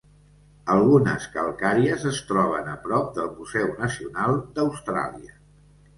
Algunes calcàries es troben a prop del Museu Nacional d'Austràlia.